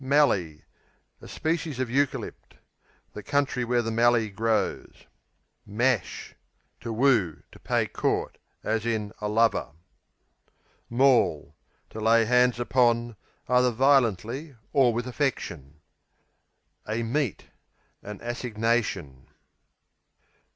Mallee A species of Eucalypt; the country where the Mallee grows. Mash To woo; to pay court. s. A lover. Maul To lay hands upon, either violently or with affection. Meet, a An assignation.